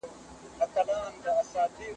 سوچه پښتو د ادب او کلتور لویه سرمایه ده